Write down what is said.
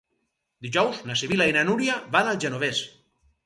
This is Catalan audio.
Dijous na Sibil·la i na Núria van al Genovés.